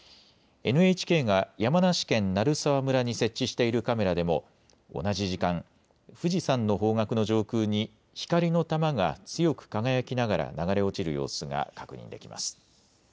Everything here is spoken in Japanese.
ＮＨＫが山梨県鳴沢村に設置しているカメラでも同じ時間富士山の方角の上空に光の球が強く輝きながら流れ落ちる様子が確認できます。